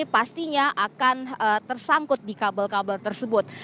pastinya akan tersangkut di kabel kabel tersebut